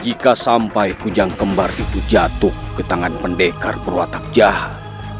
jika sampai kujang kembar itu jatuh ke tangan pendekar berwatak jahat